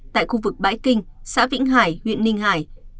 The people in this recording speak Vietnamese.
tại khu vực bãi kinh xã vĩnh hải huyện ninh hải